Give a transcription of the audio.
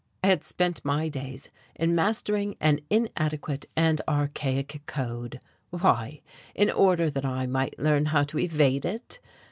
I had spent my days in mastering an inadequate and archaic code why? in order that I might learn how to evade it?